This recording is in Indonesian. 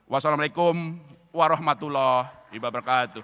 wassalamu alaikum warahmatullahi wabarakatuh